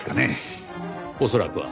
恐らくは。